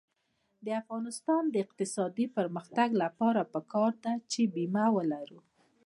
د افغانستان د اقتصادي پرمختګ لپاره پکار ده چې بیمه ولرو.